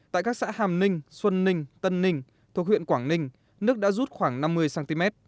tại các xã hàm ninh xuân ninh tân ninh thuộc huyện quảng ninh nước đã rút khoảng năm mươi cm